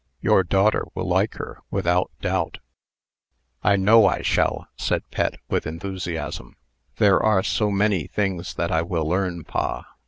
Your daughter will like her, without doubt." "I know I shall," said Pet, with enthusiasm. "There are so many things that I will learn, pa.